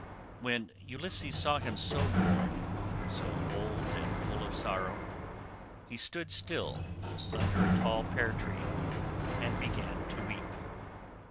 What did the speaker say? When Ulysses saw him so worn, so old and full of sorrow, he stood still under a tall pear tree and began to weep.